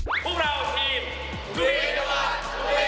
คุณผู้หญิงต้องการคุณผู้หญิงเป็นเด็กนิ้วแรงมาก